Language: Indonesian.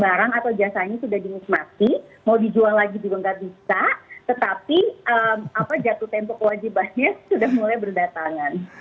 mau dijual lagi juga nggak bisa tetapi jatuh tempoh kewajibannya sudah mulai berdatangan